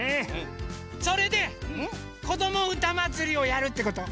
それで「こどもうたまつり」をやるってこと？